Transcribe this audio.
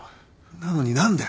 なのに何で。